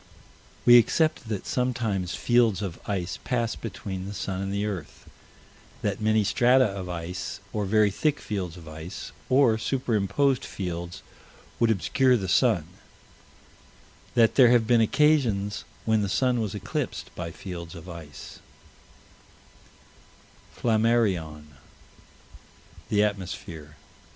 We accept that sometimes fields of ice pass between the sun and the earth: that many strata of ice, or very thick fields of ice, or superimposed fields would obscure the sun that there have been occasions when the sun was eclipsed by fields of ice: Flammarion, The Atmosphere, p.